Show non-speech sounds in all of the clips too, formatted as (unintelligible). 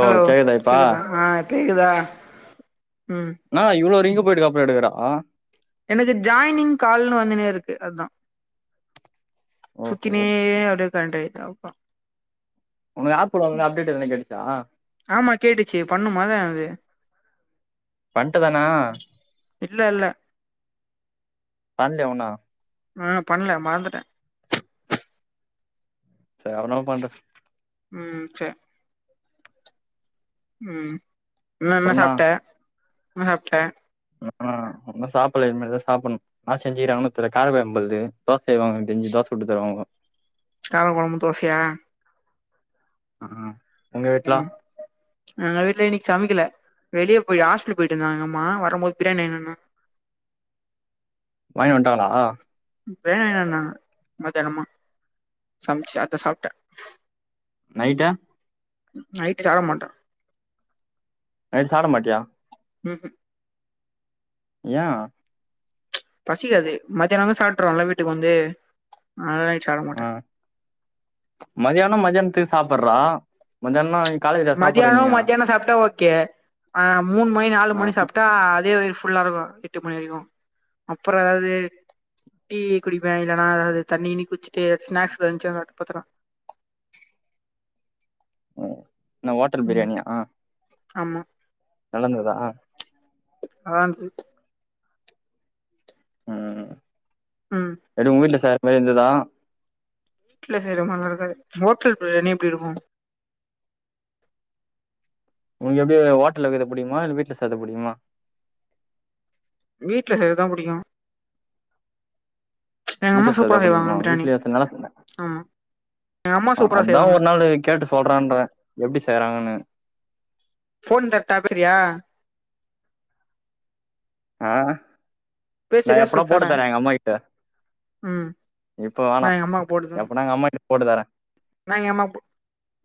hello கேக்குதா ஆ கேக்குதா ம் என்னா இவளோ ரிங்கு போய்ட்டுக்கப்றோ எடுக்குற ஆ எனக்கு ஜாய்னிங் கால்னு வந்துனே இருக்கு அதா ஓஹோ சுத்தினே அப்டே கனெக்ட் ஆயிர்து அதா உனக்கு ஆப்க்கு வந்தோன்னே அப்டேட் எதுனா கேட்டுச்சா ஆமா கேட்டுச்சி பண்ணுமா அத எது பண்ட்ட தான இல்ல இல்ல பண்லயா உன்னு ஆ பண்ல மறந்துட்டே சேர் அப்றனாலு பண்டு ம் சேர் ம் இன்னு இன்ன அப்றோண்ணா சாப்ட்ட என்ன சாப்ட்ட அ ஆ இன்னு சாப்பட்ல இனிமேல்தா சாப்பட்ணு இன்னா செஞ்சுக்கிறாங்கனு தெர்ல காரக்கொழம் நம்பள்து தோச செய்வாங்க என்க் தெரிஞ்சி தோச சுட்டு தருவாங்கோ காரக்கொழம்பு தோசயா ம் ம் ம் ம் எங்க வீட்ல இன்னிக் சமைக்கில வெளியப் போய் ஹாஸ்பிட்லு போய்ட் வந்தாங்க எங்கம்மா வரம்போது பிரியாணி வாங்கினு வந்தாங்க வாங்கினு வந்ட்டாங்களா பிரியாணி வாங்கின் வந்தாங்க மத்யானமா சம்ச்சு அதா சாப்ட்ட நைட்டா நைட்டு சாப்ட மாட்ட நைட்டு சாப்ட மாட்டியா ம் ம் ஏயா பசிக்காது மத்தியானோ வந்து சாப்ட்ருவோல வீட்டுக்கு வந்து அதனால நைட்டு சாப்ட மாட்ட ஆ மதியானோ மதியானத்துக்கு சாப்புட்றா மதியானோனா காலை மதியானோ மத்தியானோ சாப்டா ஓகே அ மூணு மணி நாலு ஆ மணி சாப்டா அதே வயிறு ஃபுல்லா இருக்கோ எட்டு மணி வரைக்கோ அப்றோ எதாது டீ குடிப்பே இல்லன்னா எதாது தண்ணி கிண்ணி குச்சிட்டு ஸ்நாக்ஸ் எதா இச்சினா சாப்ட்டு பாத்ருவே இன்னா ஓட்டல் ம் பிரியாணியா ஆமா நல்லாந்துதா நல்லா இருந்தது அ ம் எப்டி உங்க வீட்ல சாப்புட்ற மாரி இருந்துதா வீட்ல செய்ற மாரில்லா இருக்காது ஹோட்டல் பிரியாணி எப்டி இருக்கோ உனக்கு எப்டி ஓட்டல்ல கீது புடிக்குமா இல்ல வீட்ல செய்றது புடிக்குமா வீட்ல செய்றதா புடிக்கோ எங்க அம்மா வீட்ல செய்தா சூப்பரா செய்வாங்க புடிக்குமா பிரியாணி வீட்லயா செய்தா நல்லா செந்த ஆமா எங்க அம்மா சூப்பரா அதா செய்வாங்க ஒரு நாளு கேட்டு சொல்றான்ற எப்டி செய்யறாங்கன்னு ஃபோன் தர்ட்டா பேசுறியா அ நா பேசுறியா எப்பனா சொல்லு போட்டு தரே தர எங்க அம்மா கிட்ட ம் இப்ப வேணா நா எங்க அம்மாக்கு போட்டுதரே எப்பனா எங்க அம்மாகிட்ட போட்டு தர நா எங்க அம்மா போ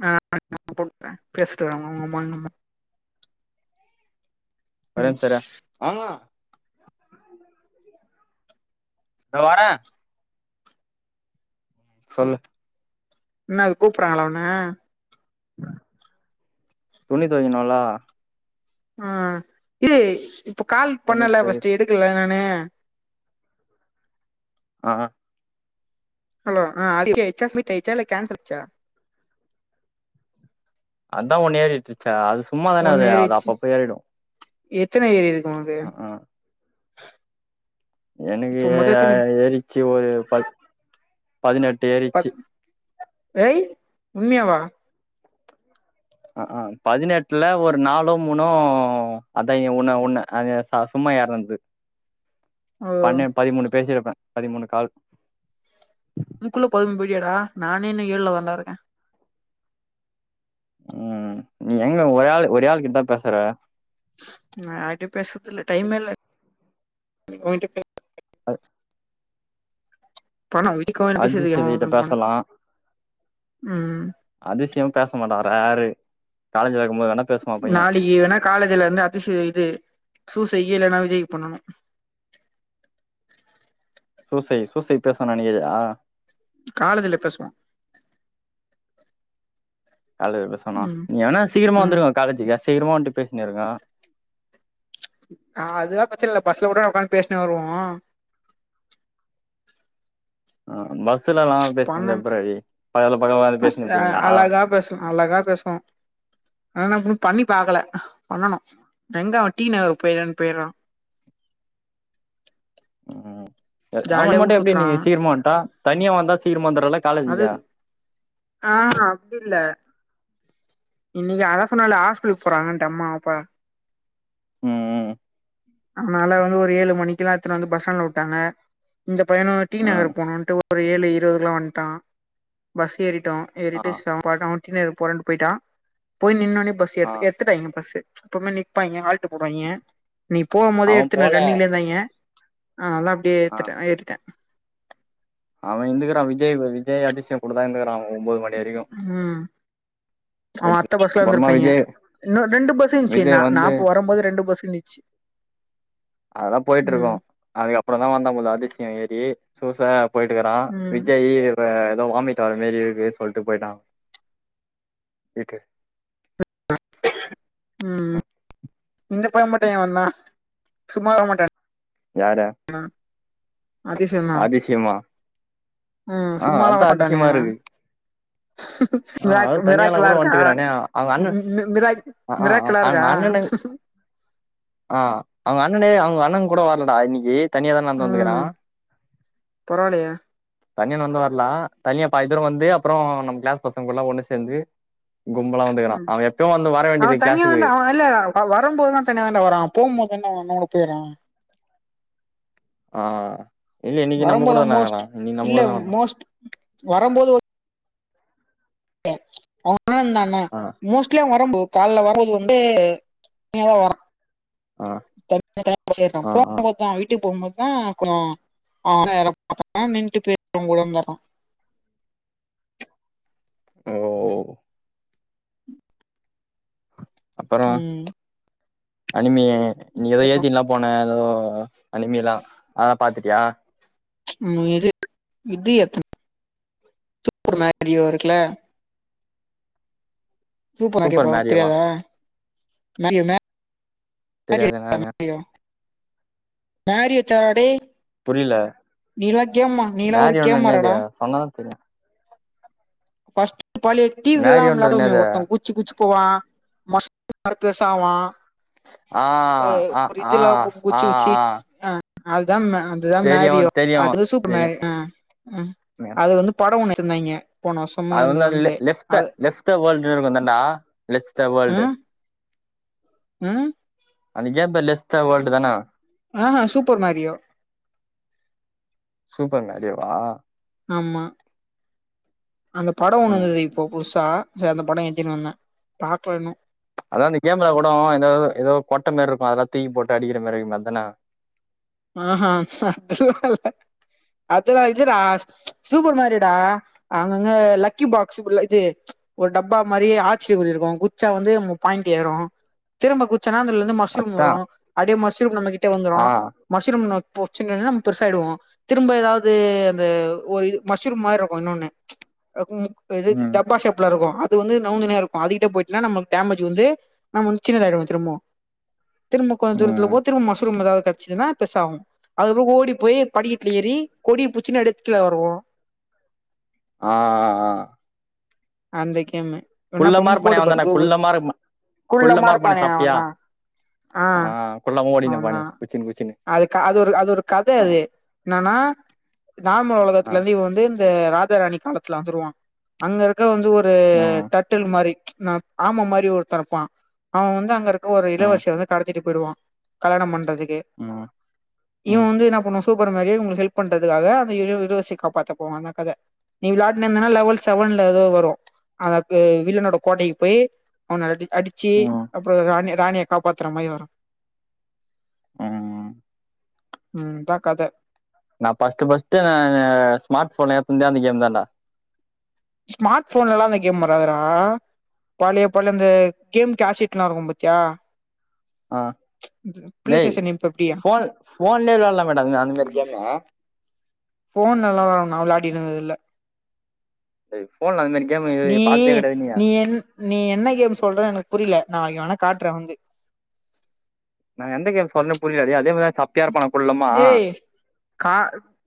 (inaudible) போட்டு தரே பேசட்டு உங்க அம்மாவு எங்க அம்மாவு ஒரே நிம்ஷோ இரு தோ வர சொல்லு இன்னாது கூப்புட்றாங்ளா உன்ன துணி தோயிக்கணுல ஆ இல்லே இப்ப கால் துணி பண்ணல தொவை ஃபர்ஸ்ட்டு எடுக்கல்ல நானு அ ஹலோ அ அடிக்கியாச்சா ஸ்மீட்டாயிச்சா இல்ல கேன்சல் ஆயிச்சா அதா ஒன்னு ஏறிட்டுருச்சா அது சும்மாதானே அது ஒன்னு அது ஏறிச்சு அப்பப்ப ஏறிடோ எத்தன ஏறியிருக்கோ அது எனக்கு ஏறிச்சி ஒரு பத் பதினெட்டு ஏறிச்சி ஐ உண்மையா வா அக் ஆ பதினெட்ல ஒரு நாலோ மூனோ அதா ஏ உன்ன உன்ன அது செ சும்மா ஏறந்து ஓ பண்ண பதிமூணு பேசியிருப்பே பதிமூணு கால் அதுக்குள்ள பதிமூணு போயிட்டியாடா நானே இன்னோ ஏழுல தா டா இருக்க ம் நீ எங்க ஒரே ஆள் ஒரே ஆள் கிட்டதா பேசற நா யார்கிட்டயு பேசத்தில்ல டைம்மே இல்ல உன்கிட்ட அ பணோ வீட்டுக்கோ வேனோ பேசறதுக்கோ அதிசயதி கிட்ட வேணு பணோ பேசலா ம் அதிசியம் பேச மாட்டாங்கராரு காலேஜ்ல இருக்கு போது வேனா நாளைகி வேணா காலேஜ்ல வந்து அதிசய இது சூசைக்கி இல்லன்னா விஜய்க்கி பண்ணணு சூசை சூசை பேஸ்வா நெனைக்கிறியா காலேஜ்ல பேசுவா காலேஜ்ல பேசுவானா ம் நீ வேணா சீக்கிரமா ஆமா வந்துருங்க காலேஜுக்கு சீக்கிரமா வன்ந்ட்டு பேசினிருங்க ஆ அதெல்லா பிரச்னல்ல பஸ்ல கூட நா உக்காந் பேஸ்னே வருவோ ஆ பஸ்லலெல்லா பணம் பஸ் பேசினிருப்பீங்களா அழகா பேசலா அழகா பேசுவோ அதன ம் பண்ணி பாக்கல பண்ணனு எங்க அவ டி நகர் போயிறன் பேய்றா ம் செரி ஆவ ஜாலியா மட்டு ஊர் எப்டி சுத்துறா இன்னிக்கி சீக்கிரமா வன்ட்டா தனியா வந்தா சீக்கிரமா வந்தர் அது ஆ அப்டில்ல இன்னிக்கி அதா சொன்னல்ல ஹாஸ்பிட்ல்க்கு போறங்கன்ட்டு அம்மா அப்பா ம் ம் அதனால வந்து ஒரு ஏழு மணிக்கு லா எட்த்துட்டு வந்து பஸ்டாண்டுல உட்டாங்க இந்த பையனு டி நகர் ம் போனுன்ட்டு ஒரு ஏழு இருவதுக்ல்லா வன்ட்டா பஸ் ஏறிட்டோ ஆ ஏறிட்டு சமோ படோ டி நகர் போறன் போயிட்டா போய் நின்னோனே பஸ் ஆ எடுத்து எடு எடுத்துட்டாய்ங்க பஸு எப்போமே நிப்பாய்ங்க ஆல்ட்டு போடுவாய்ங்க நீ போவு போதே அவன் எடுத்து போல ரன்னிங்லே இருந்தாய்ங்க ஆ அதா அப்டியே எட்த்துட்டே ஏத்திட்டே அவ இருந்துகுறா விஜய் விஜய் அதிசய கூடதா இருந்துக்குறா ஒம்போது மணி வரைக்கும் ம் அவ அட்த்த எடுத்து பஸ்ல அப்புறமா வந்திருப்பாய்ங்க விஜய் இன்னு ரெண்டு பஸ் இருந்துச்சி நா விஜய் நா வந்து போ வர போது ரெண்டு பஸ் இருந்துச்சி அதெல்லா போய்ட்டு இருக்கு அதுக்கு அப்புற தா வந்தா போல அதிசய ஏறி சூச போய்ட்டுக்கறா ம் விஜய் இப்ப ஏதோ வாமிட்டு வர மேரி இருக்கு சொல்ட்டு போய்ட்டா இருக்கு ம் இந்த பய மட்டு ஏ வந்தா சும்மா வரமாட்டா யார (unintelligible) அதிசியமா ம் ஆ சும்மாலா அதா வரமாட்டானே அதிசியமா அவ இருக்கு ஆ அதா மிராக் தனியால மிராக்கிளா கூட இருக்கா வன்ட்டுக்கிறானே அவுங்க அண்ண மி மி மிராக் ஆ ஆ மிராக்கிளா இருக்கா அவுங்க அண்ணனு ஆ அவுங்க அண்ணனே அவுங்க அண்ண கூட வரலடா இன்னிக்கி தனியா தா நடந்து வந்துக்குறா பரவாலையே தனியா நடந்து வரலா தனியா பாதி தூர வந்து அப்புறோ நம்ம கிளாஸ் பசங்க கூட்லா ஒண்ணு சேந்து கும்பலா வந்துக்குறா ம் அவ எப்பியு வந்து வர அவ வேண்டியது தனியா கிளாஸுக்கு தான்டா அவ இல்ல நா அவ வரம் போது தா தனியா தாண்டா வாரா போ போது தா அவ அண்ணக் கூட போய்றா ஆ இல்ல இன்னைக்கு நம்ம கூட வரம்போதா தான வரா மோஸ்ட் இன்னைக்கு நம்ம கூட இல்ல தா வந்தா மோஸ்ட் வரம்போது ஒ கே அவ அண்ண இருந்தானா ஆ மோஸ்ட்லியா அவ வரம்போ கால்ல வரும்போது வந்து தனியாதா வரா (inaudible) ஆ ஆ போ ஆ போத்தா வீட்டுக்கு போ போத்தா கொஞ்சோ ஆவ நேரா (inaudible) நின்ட்டு (inaudible) ஓ ம் அனிமே நீ ஏதோ ஏத்தின்ல்லா போன ஏதோ அனிமிலா ஆ பாத்துட்டியா இது இது எத்தன சூப்பர் மேரியோ இருக்குல சூப்பர் ஆரியப்பவ உனக்கு தெரியாதா நாளைக்கு அது மேப் தெரியாது என்னானு (unintelligible) புரில நீலா கேமா நீலா ஒரு கேமாறடா சொன்னாதா தெரியு ஃபர்ஸ்ட் பழைய டிவில்லா மேரியோன்றது விளாடுவோமே என்னது ஒருத்தவ குதுச்சி குதுச்சி போவா மஸ்ட் பர்பெசாவா ஆ அ ஆ ஆ ஒருதுலா போவு குச்சி குச்சி ஆ அதுதா அதுதா தெரியு மேரியோ தெரியு அது சூப்பர் தெரியு மேரி அ மேம் அது வந்து பட ஒண்ணு இருந்தாங்க அது வந்து அது இல்ல லெப த லெப் த வேர்ல்டுன்னு இருக்கும் அதான்டா லெப் த வேர்ல்டு் ம் ம் அந்த கேம் பேரு லெஸ் தா வேர்ல்டு தான ஆ சூப்பர் மேரியோ சூப்பர் மேரியோவா ஆமா அந்த பட ஒண்ணு ம் வந்து இப்போ புதுசா சரி அந்த படம் ஏத்தினு வந்த பார்க்கலன்னு அதா அந்த கேம்ல கூட எதாவுது ஏதோ கொட்டை மாரி இருக்கு அதெல்லா துக்கி போட்டு அடிக்கிற மாதிரி இருக்கும் அதுதான ஆஹ்ஹ் அ அதுல்லா இல்ல அது இது டா சூப்பர் மேரியோ டா அங்கங்க லக்கி பாக்ஸ்குள்ள இது ஒரு டப்பா மாரி ஆச்சிரிய குறி இருக்கும் குச்சா வந்து மு பாயிண்ட் ஏறு திரும்ப குச்சனா அதுள்ள மஷ்ரூம் அதா வரு அப்டியே மஷ்ரூம் நம்ம கிட்ட ஆ வந்துரும் மஷ்ரூம் நம்ப புடிச்சோம்ன்னா நம்ப பெருசா ஆயிடுவோ திரும்ப ஏதாவது அந்த ஒரு இ மஷ்ரூம் மாரி இருக்கும் இன்னொன்னு இது ம் டப்பா ஷேப் ல இருக்கும் அது வந்து நவுந்துண்ணே இருக்கும் அதுகிட்ட போயிட்டனா நமக்கு டேமேஜ் வந்து நம்ம வந்து சின்னதாயிருவோ திரும்பவு திரும்ப கொஞ்ச தூரத்துல ம் போக திரும்ப மஸ்ரூம்தாவது கிச்சதுன்னா பெருசாவு அதுக்கப்பற ஓடி போய் படிக்கட்டுல ஏறி கொடி பூச்சின்னு எத்துனு கீழ வருவோ ஆ ஆ அந்த கேமு என்னா குள்ளமா அப்பறமா இருப்பானே போட்டுப்பாரு அவந்தான கூகுள் குள்ளமா இருப்பா குள்ளமா இருப்பானே அவந்தா ஆ குள்ளமா ஓடினு அவந்தா இருப்பானே குச்சின்னு குச்சின்னு அது க அது ஒரு அது ஒரு கதை ஆ அது என்னன்னா நார்மல் ஆ உலகத்துல இருந்து இவ வந்து ராஜா ராணி காலத்துல வந்துருவா அங்க இருக்க வந்து ஒரு ம் தட் தட்டுல் மாரி ஆமமாரி ஒருத்தருப்பா அவ வந்து அங்கருக்க ஒரு ம் இளவரசிய வந்து கடத்திட்டு போடுவா கல்யண பண்றதுக்கு ஆமா இவ வந்து என்ன பண்ணுவா சூப்பர் மரியோ இவுங்களுக்கு ஹெப் பண்றதுகாக அந்த இளவரசிய காப்பாத்தப்போவா அந்த கதை நீ விளையாட்டே இருந்தனா லெவல் செவன்ல தோ வரும் அ வில்லனோட கோட்டைக்கு போய் அவன அடி அடிச்சு ம் அப்பற ராணி ராணிய காப்பாத்துற மாரி வரு ம்ம் ம்ம் இதா கத நா ஃபர்ஸ்ட் ஃபர்ஸ்ட் நா ஸ்மார்ட் போன் ல எத்துனதே அந்த கேம் தான்டா ஸ்மார்ட் போன்லா அந்த கேம் வராதுடா பழைய பழைய இந்த கேம் கேசட்லா இருக்கு பாத்தியா ஆ பிளே டேய் ஸ்டேஷன் இப்ப எப்டி போன் போன்லயே விளையாட்லா டா அந்த மேரி கேமு போன்லலா நா விளையாடிண்ணது இல்ல அ ஃபோன்ல அந்த மேரி கேமு நீ பாத்ததே கெடையாது நீயே நீ என் நீ என்ன கேம் சொல்ற எனக் புரில நாளைகு வேணா காட்றே வந்து நா எந்த கேம் சொன்னே புரிலடே அதே மேரிதா சப்பையாருப்பானா குள்ளமா ஏய் கா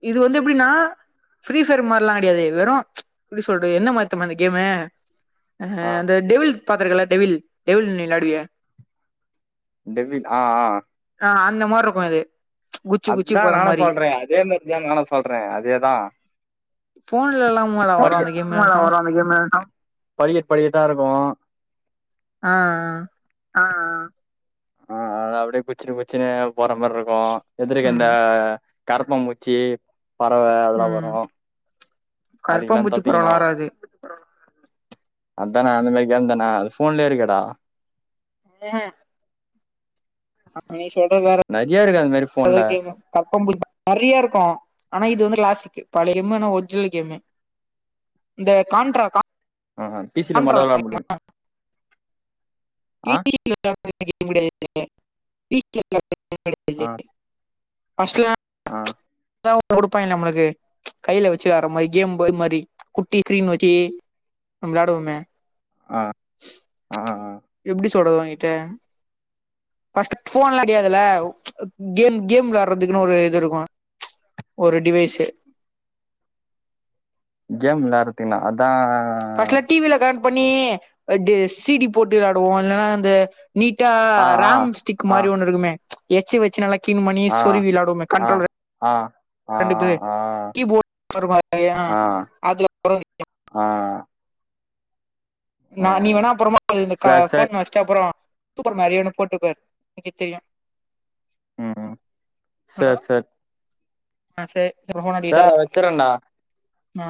இது வந்து எப்டினா ஃப்ரீஃபையர் மார்லா கெடையாது வெறு எப்டி சொல்றது என்ன மாத்தெமா இந்த கேமு அ ஆ அந்த டெவில் பாத்திருக்கல டெவில் டெவில் நீ விளாடுவியே டெவி ஆ ஆ ஆ ஆ அந்த மார்ருக்கு இது குச்சி குச்சி அத்தா போற நானு மாரி சொல்றே அதே மேர்தா நானு சொல்றே அதேதா ஃபோன்லல்லா மாடா வரு படிக்க அந்த கேம் விளாட்னா படிகட் படிகட்டாருக்கு ஆ ஆ ஆ ஆ அத அப்டியே குச்சுனு குச்சுனு போற மார்ருக்கு ஆ எதுருக எந்தா ம் கரப்பா மூச்சி பறவே அதெலா வரு கரப்பா அதுக்கெல்லா பூச்சி தப்பிக்கணு பறவலா வராது அத்தான அந்த மாரி கேம்தானா அது ஃபோன்லியே இருகேடா அப்ப நீ சொல்றது வேற நெறைய இருக்கு அந்த மாரிப் (unintelligible) கேமு கரப்பா பூ நெறைய இருக்கு ஆனா இது வந்து கிளாசிக்கு பழையம்மு ஆனா ஒரிஜினல் கேமு இந்த கான்ட்ரா கான் அ ஆ பி சி ரிமோட்டதா விளாட் முடியு ஆ ஆ (unintelligible) ஃபஸ்ட்டுலா ஆ தா குடுப்பாய்ங்க நம்ளுக்கு கைல வெச்சு வேற மாரி கேம்பு இது மாரி குட்டி கிரீன் வெக்கி நம் விளாடுவ்மே ஆ ஆ ஆ எப்டி சொல்றது ஓ கிட்ட ஃபஸ்ட்டு ஃபோன்லா கெடையாதுல கேம் கேம் விளாறதுகுனு ஒரு இது இருகு ஒரு டிவைஸு கேம் விளாறதுகுனா அதா ஃபஸ்ட்லா டி வில கனெக்ட் பண்ணி டு சி டி போட்டு விளாடுவோ இல்லனா இந்த நீட்டா ஆ ஆ ரேம் ஸ்டிக்கு ஆ மாரி ஒன்னு இருகுமே எச்சி வெச்சு நல்லாக் கிளீன் பண்ணி ஆ சொருவி விளாடுவோமே ஆ கண்ட்ரோல்வே ஆ ஆ ரெண்டு ஆ ஆ (inaudible) ஆ நா நீ ம் வேணா அப்பறமா அது இந்த கா சேர் சேர் ஃபோன் வெச்ட்டு அப்பறோ சூப்பர் மேரியோனு போட்டு பாரு ஒனக்கேத் தெரியு ம் ஹலோ சேர் சேர் ஆ சே அப்றோ ஃபோன் அடிகிட்டா சேர்றா வச்சுர்றேன்டா ஆ